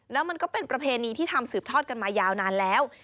แล้วมันก็เป็นประเพณีที่ทำสืบทอดกันมายาวนานแล้ว